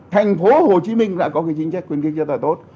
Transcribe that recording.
thành phố hồ chí minh đã có chính trách khuyến kích cho tài tốt